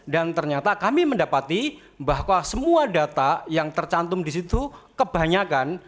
dan ternyata kami mendapati bahwa semua data yang tercantum di situ kebanyakan